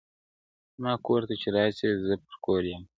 زما کور ته چي راسي زه پر کور يمه.